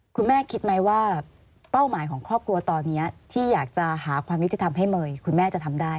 คุณแม่คิดไหมว่าเป้าหมายของครอบครัวตอนนี้ที่อยากจะหาความยุติธรรมให้เมย์คุณแม่จะทำได้